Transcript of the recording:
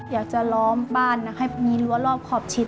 อยากจะล้อมบ้านให้มีลัวรอบขอบชิด